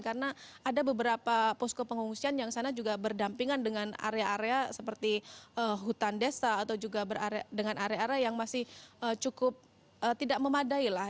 karena ada beberapa posko pengungsian yang sana juga berdampingan dengan area area seperti hutan desa atau juga dengan area area yang masih cukup tidak memadai lah